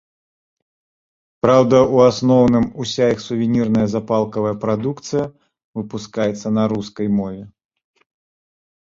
Праўда, у асноўным уся іх сувенірная запалкавая прадукцыя выпускаецца на рускай мове.